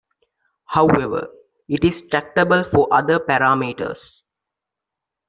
However, it is tractable for other parameters.